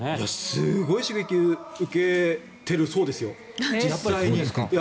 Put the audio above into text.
すごい刺激を受けてるそうですよ、実際に。